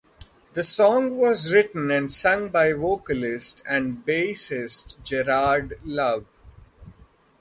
The song was written and sung by vocalist and bassist Gerard Love.